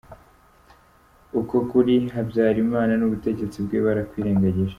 Uko kuri Habyarimana n’ubutegetsi bwe barakwirengagije.